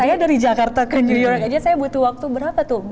saya dari jakarta ke new york aja saya butuh waktu berapa tuh